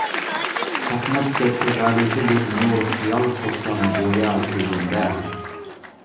چاقناپ كەتتى غەلىتە بىر نۇر خىيال قىلسام گويا كۆزۈڭدە.